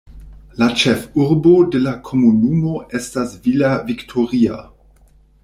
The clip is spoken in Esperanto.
La ĉefurbo de la komunumo estas Villa Victoria.